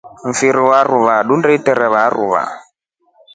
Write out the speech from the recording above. Mfiri wa mruwa tuishinda niterewa ruwa.